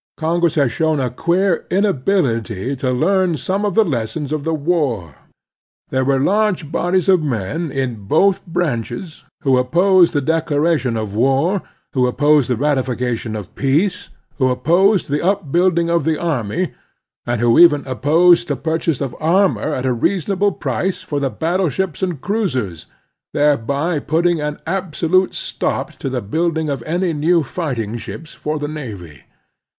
Congress has shown a queer inability to learn some of the lessons of the war. There were large bodies of men in both branches who opposed the declaration of war, who opposed the ratification of peace, who op posed the upbuilding of the army, and who even x6 The Strenuous Life opposed the purchase of armor at a reasonable price for the battleships and cruisers, thereby putting an absolute stop to the building of any new fighting ships for the navy.